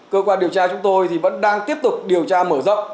cơ quan điều tra chúng tôi thì vẫn đang tiếp tục điều tra mở rộng